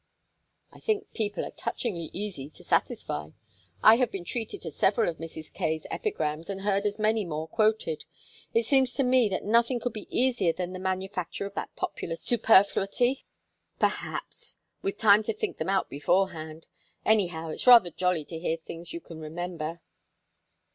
"I think people are touchingly easy to satisfy! I have been treated to several of Mrs. Kaye's epigrams and heard as many more quoted. It seems to me that nothing could be easier than the manufacture of that popular superfluity." "Perhaps with time to think them out beforehand. Anyhow, it's rather jolly to hear things you can remember."